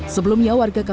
sebelumnya warga kampungnya